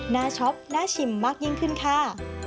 ชอบน่าชิมมากยิ่งขึ้นค่ะ